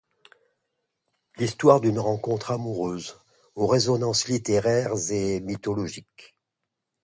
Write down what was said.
L'histoire d'une rencontre amoureuse aux résonances littéraires et mythologiques.